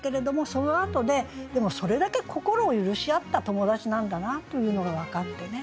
そのあとででもそれだけ心を許し合った友達なんだなというのが分かってね。